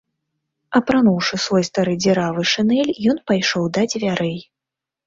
Апрануўшы свой стары дзіравы шынель, ён пайшоў да дзвярэй.